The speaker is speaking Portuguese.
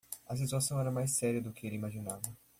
A situação era mais séria do que ele imaginava.